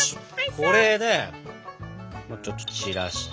これでちょっと散らして。